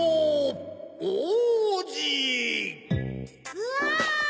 うわ！